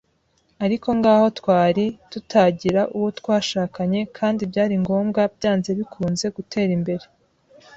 Ariko ngaho twari, tutagira uwo twashakanye; kandi byari ngombwa, byanze bikunze, gutera imbere